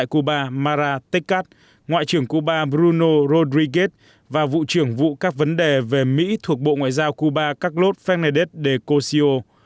cuba mara tecat ngoại trưởng cuba bruno rodríguez và vụ trưởng vụ các vấn đề về mỹ thuộc bộ ngoại giao cuba carlos fernández de cossio